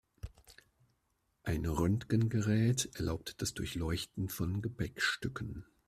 Ein Röntgengerät erlaubt das Durchleuchten von Gepäckstücken.